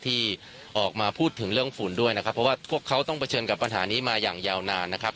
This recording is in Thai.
ที่ออกมาพูดถึงเรื่องฝุ่นด้วยนะครับเพราะว่าพวกเขาต้องเผชิญกับปัญหานี้มาอย่างยาวนานนะครับ